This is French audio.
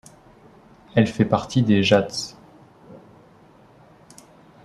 Elle fait partie des Jats.